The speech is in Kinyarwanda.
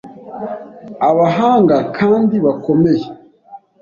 abahanga, kandi bakomeye;